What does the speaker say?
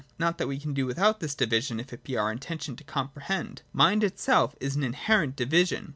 Not that we can do without this division, if it be our intention to comprehend. Mind itself is an inherent division.